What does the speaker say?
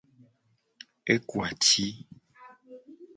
E ku ati.